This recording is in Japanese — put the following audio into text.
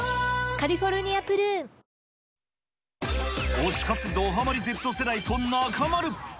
推し活どハマりＺ世代とナカマる！